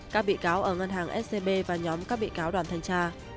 các bị cáo ở ngân hàng scb và nhóm các bị cáo đoàn thanh tra